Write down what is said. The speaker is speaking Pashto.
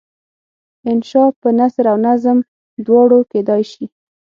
انشأ په نثر او نظم دواړو کیدای شي.